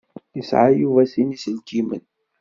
Yesεa Yuba sin iselkimen.